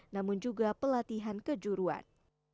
namun juga pelatihan kejuruan